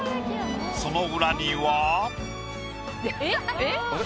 その裏には。